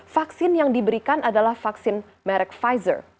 vaksin yang diberikan adalah vaksin merek pfizer